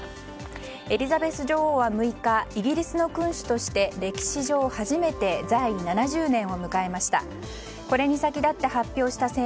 エリザベス女王は６日イギリスの君主として歴史上初めて在位７０年を迎えました。